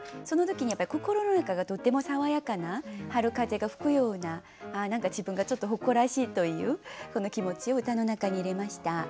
その時に心の中がとても爽やかな春風が吹くような何か自分がちょっと誇らしいというそんな気持ちを歌の中に入れました。